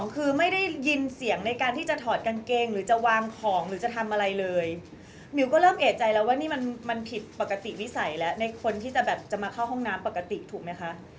คือไม่ได้ยินเสียงในการที่จะถอดกางเกงหรือจะวางของหรือจะทำอะไรเลยมิวก็เริ่มเอกใจแล้วว่านี่มันผิดปกติวิสัยแล้วในคนที่จะแบบจะมาเข้าห้องน้ำปกติถูกไหมคะ